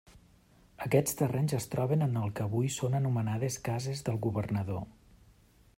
Aquests terrenys es troben en el que avui són anomenades cases del Governador.